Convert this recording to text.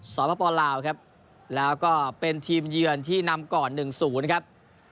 สปลาวครับแล้วก็เป็นทีมเยือนที่นำก่อน๑๐ครับ